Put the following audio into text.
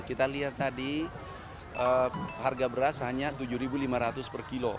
kita lihat tadi harga beras hanya rp tujuh lima ratus per kilo